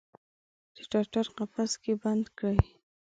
د ټټر قفس کې بند کړي